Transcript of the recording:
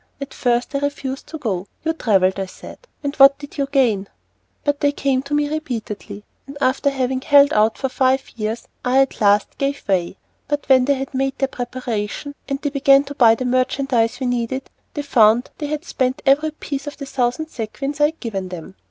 At first I refused to go. "You travelled," I said, "and what did you gain?" But they came to me repeatedly, and after having held out for five years I at last gave way. But when they had made their preparation, and they began to buy the merchandise we needed, they found they had spent every piece of the thousand sequins I had given them.